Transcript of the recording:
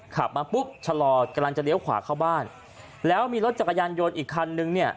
ขับมาปุ๊บชะลอกำลังจะเลี้ยวขวาเข้าบ้านแล้วมีรถจักรยานยนต์อีกคันนึงเนี่ย